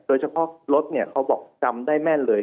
โดยเฉพาะรถเนี่ยเขาบอกจำได้แม่นเลย